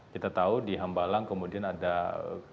kita tahu di hambalang kemudian ada kasus yang berbeda